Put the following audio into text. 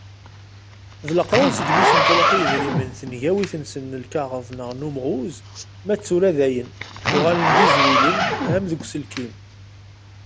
D leqrun segmi i sen-truḥ i yedrimen tengawit-nsen n lkaɣeḍ neɣ n umɣuz. Ma d tura dayen uɣalen d izwilen am deg uselkim.